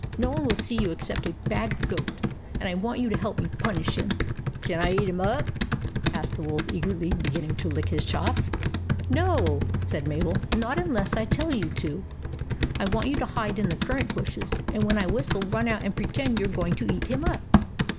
No one will see you except a bad goat, and I want you to help me punish him." " Can I eat him up ?" asked the Wolf eagerly, beginning to lick his chops. " No," said Mabel ;" not unless I tell you to. I want you to hide in the currant bushes, and when I whistle, run out and pretend you are going to eat him up.